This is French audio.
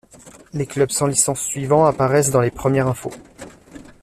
Les clubs sans licence suivants apparaissent dans les premières infos.